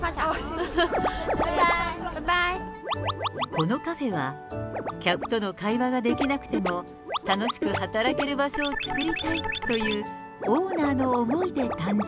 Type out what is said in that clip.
このカフェは、客との会話ができなくても、楽しく働ける場所を作りたいという、オーナーの思いで誕生。